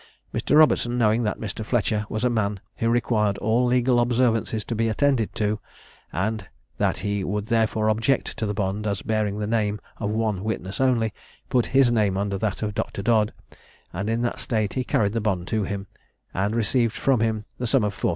Mr. Robertson, knowing that Mr. Fletcher was a man who required all legal observances to be attended to, and that he would therefore object to the bond as bearing the name of one witness only, put his name under that of Dr. Dodd, and in that state he carried the bond to him, and received from him the sum of 4000_l.